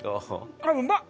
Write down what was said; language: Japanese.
あっうまっ！